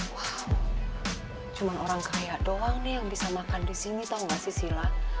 wow cuma orang kaya doang nih yang bisa makan di sini tahu gak sih sila